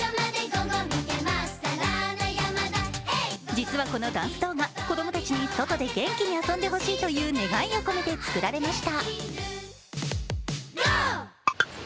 実はこのダンス動画、子供たちに外で元気に遊んでほしいという願いを込めてつくられました。